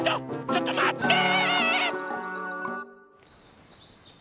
ちょっとまって！